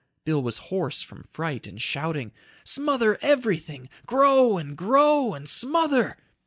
Bill was hoarse from fright and shouting. "Smother everything, grow and grow and smother